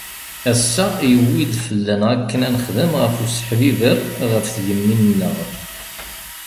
“Ass-a, yewwi-d fell-aneɣ akken ad nexdem ɣef useḥbiber ɣef tgemmi-nneɣ.